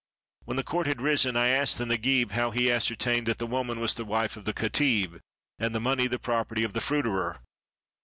When the court had risen, I asked the Nagib how he ascertained that the woman was the wife of the katib, and the money the property of the fruiterer.